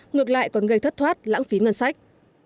ngược lại còn gây thất thoát lãng phí ngân sách